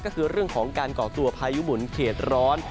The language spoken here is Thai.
ก็คือเรื่องของการก่อตัวพายุหมุนเขตร้อน